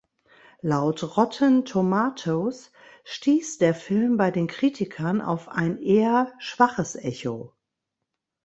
Laut Rotten Tomatoes stieß der Film bei den Kritikern auf ein eher schwaches Echo.